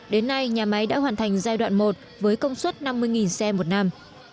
đến nay nhà máy đã hoàn thành giai đoạn một với công suất năm mươi xe một năm